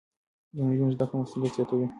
د نجونو زده کړه مسؤليت زياتوي.